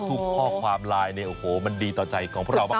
ข้อความไลน์เนี่ยโอ้โหมันดีต่อใจของพวกเรามาก